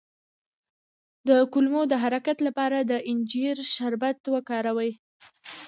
د کولمو د حرکت لپاره د انجیر شربت وکاروئ